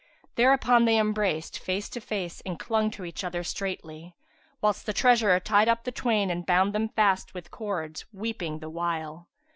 Thereupon they embraced, face to face and clung to each other straitly, whilst the treasurer tied up the twain and bound them fast with cords, weeping the while.